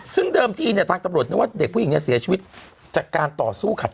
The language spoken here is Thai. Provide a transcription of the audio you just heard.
ซึ่งเดิมทีเนี่ยทางตำรวจนึกว่าเด็กผู้หญิงเนี่ยเสียชีวิตจากการต่อสู้ขัด